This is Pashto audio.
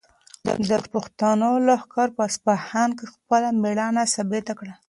د پښتنو لښکر په اصفهان کې خپله مېړانه ثابته کړه.